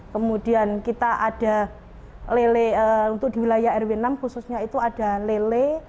kemudian kita ada lele untuk di wilayah rw enam khususnya itu ada lele